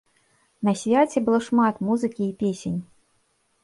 На свяце было шмат музыкі і песень.